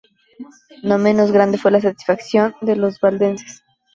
No menos grande fue la satisfacción de los Valdenses.